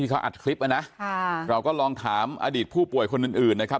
เขาอัดคลิปนะเราก็ลองถามอดีตผู้ป่วยคนอื่นนะครับ